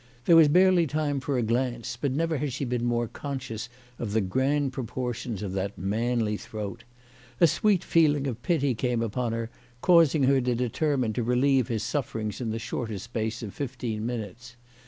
There was barely time for a glance, but never had she been more conscious of the grand proportions of that manly throat. A sweet feeling of pity came upon her, causing her to determine to relieve his sufferings in the shorter space of fifteen minutes.